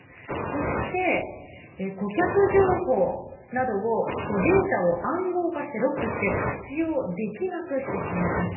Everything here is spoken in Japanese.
そして、顧客情報などをデータを暗号化してロックして使用できなくしてしまいます。